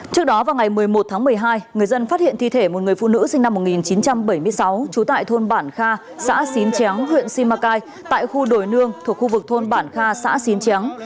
trước đó vào ngày một mươi một tháng một mươi hai người dân phát hiện thi thể một người phụ nữ sinh năm một nghìn chín trăm bảy mươi sáu trú tại thôn bản kha xã xín chéo huyện simacai tại khu đồi nương thuộc khu vực thôn bản kha xã xín chén